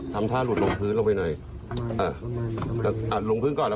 ทำท่าหลุดหลงพื้นลงไปหน่อยอ่ะ